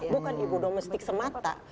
bukan ibu domestik semata